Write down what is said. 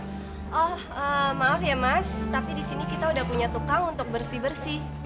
tapi di sini kita udah punya tukang untuk bersih bersih